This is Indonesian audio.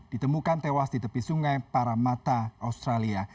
ditemukan tewas di tepi sungai paramata australia